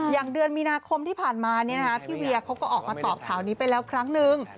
เดือนมีนาคมที่ผ่านมาพี่เวียเขาก็ออกมาตอบข่าวนี้ไปแล้วครั้งนึง